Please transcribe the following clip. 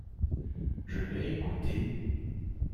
Je l’ai écouté.